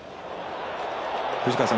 藤川さん